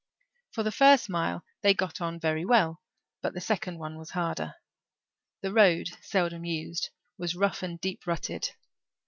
For the first mile they got on very well but the second one was harder. The road, seldom used, was rough and deep rutted.